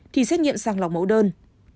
thì xét nghiệm sang lọc mẫu đơn